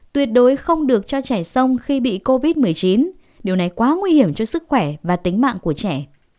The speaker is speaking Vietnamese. tuyệt đối không được cho trẻ sông khi bị covid một mươi chín điều này quá nguy hiểm cho sức khỏe và tính mạng của trẻ